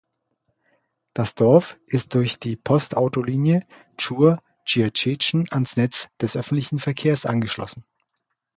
Das Dorf ist durch die Postautolinie Chur–Tschiertschen ans Netz des öffentlichen Verkehrs angeschlossen.